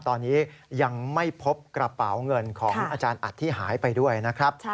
ตอนนี้ยังไม่พบกระเป๋าเงินของอาจารย์อัดที่หายไปด้วยนะครับ